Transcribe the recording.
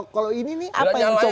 kalau ini nih apa yang terjadi